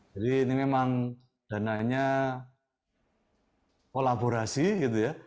jadi ini memang dananya kolaborasi gitu ya